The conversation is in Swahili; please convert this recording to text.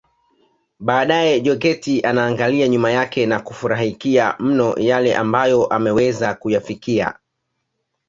Baadae Jokate anaangalia nyuma yake na kufurahikia mno yale ambayo ameweza kuyafikia